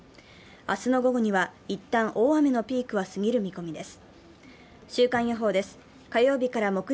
明日の午後には一旦、大雨のピークは過ぎる見込みです。